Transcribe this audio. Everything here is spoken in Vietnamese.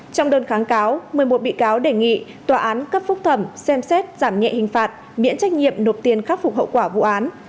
trong đơn kháng cáo một mươi một bị cáo đề nghị tòa án cấp phúc thẩm xem xét giảm nhẹ hình phạt miễn trách nhiệm nộp tiền khắc phục hậu quả vụ án